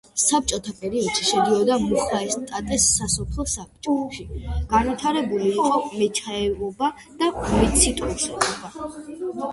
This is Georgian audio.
საბჭოთა პერიოდში შედიოდა მუხაესტატეს სასოფლო საბჭოში, განვითარებული იყო მეჩაიეობა და მეციტრუსეობა.